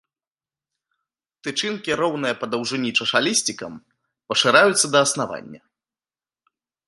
Тычынкі роўныя па даўжыні чашалісцікам, пашыраюцца да аснавання.